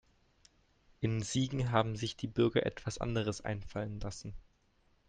In Siegen haben sich die Bürger etwas anderes einfallen lassen.